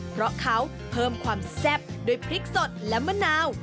เพราะเขาเพิ่มความแซ่บด้วยพริกสดและมะนาว